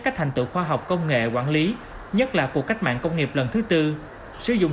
các thành tựu khoa học công nghệ quản lý nhất là cuộc cách mạng công nghiệp lần thứ tư sử dụng